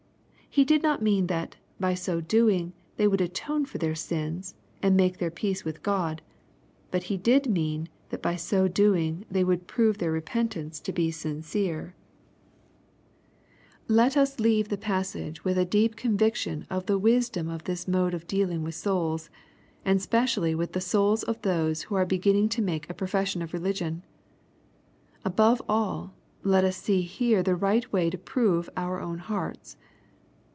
He did not mean that, by so doing, they would atone for their sins, and make their peace with God. But he did mean that, by so doing, they would prove their repentance to be sincere. LUKE^ CHAP. III. 98 Let US eav^e the passage with a deep conviction of the wisdom of this mode of dealing with souls, and specially with the souls of those who are beginning to make a profession of religion. Above all, let us see here the right way to prove our own hearts.